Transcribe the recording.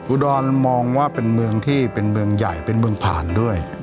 อุดรมองว่าเป็นเมืองที่เป็นเมืองใหญ่เป็นเมืองผ่านด้วย